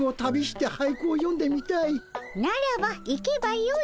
ならば行けばよい。